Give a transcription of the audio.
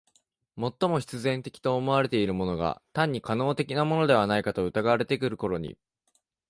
最も必然的と思われているものが単に可能的なものではないかと疑われてくるところに、